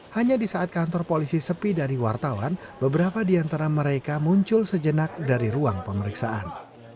hanya di saat kantor polisi sepi dari wartawan beberapa di antara mereka muncul sejenak dari ruang pemeriksaan